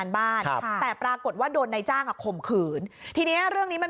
บอกว่าไงรู้ไหม